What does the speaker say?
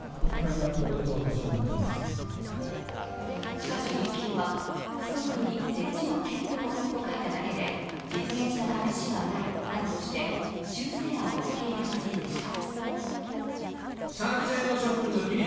しかし、立憲は付則に設置の検討と書いただけで実現した試しはないなどとして修正案を受け入れませんでした。